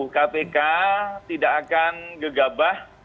kpk tidak akan gegabah